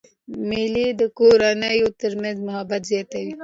مېلې د کورنیو تر منځ محبت زیاتوي.